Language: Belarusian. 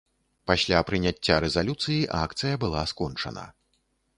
Пасля прыняцця рэзалюцыі акцыя была скончана.